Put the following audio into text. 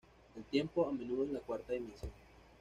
El tiempo, a menudo, es la cuarta dimensión.